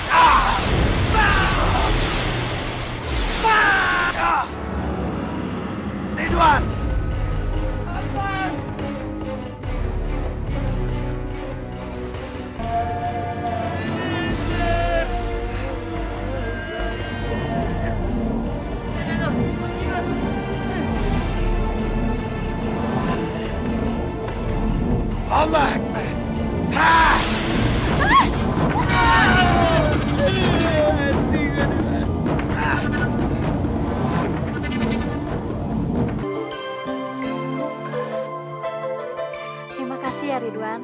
terima kasih ya ridwan kamu telah mengolah saya